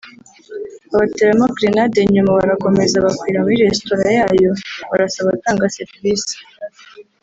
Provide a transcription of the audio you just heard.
babateramo grenade nyuma barakomeza bakwira muri restaurant yayo barasa abatanga serivisi